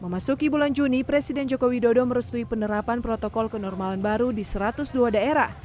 memasuki bulan juni presiden joko widodo merestui penerapan protokol kenormalan baru di satu ratus dua daerah